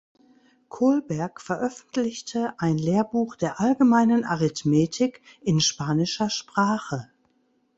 Kolberg veröffentlichte ein Lehrbuch der allgemein Arithmetik in spanischer Sprache.